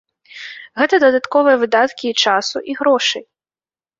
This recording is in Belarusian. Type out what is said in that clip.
Гэта дадатковыя выдаткі і часу, і грошай.